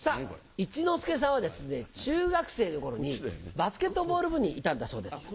一之輔さんはですね、中学生のころに、バスケットボール部にいたんだそうです。